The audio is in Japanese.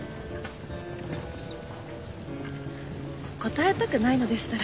答えたくないのでしたら。